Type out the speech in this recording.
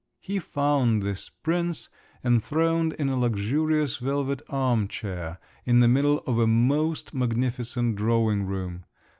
He found this "prince" enthroned in a luxurious velvet arm chair in the middle of a most magnificent drawing room.